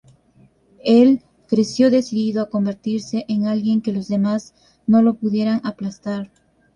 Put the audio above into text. Él creció decidido a convertirse en alguien que los demás, no lo pudieran "aplastar".